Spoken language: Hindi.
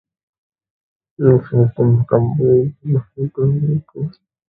राजस्थान विधानसभा चुनाव: भोपालगढ़ सीट के नतीजे